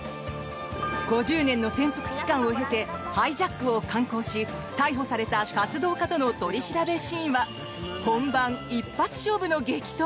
５０年の潜伏期間を経てハイジャックを敢行し逮捕された活動家との取り調べシーンは本番一発勝負の激闘！